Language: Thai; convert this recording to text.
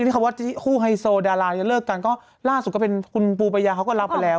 คำว่าคู่ไฮโซดาราจะเลิกกันก็ล่าสุดก็เป็นคุณปูปัญญาเขาก็รับไปแล้ว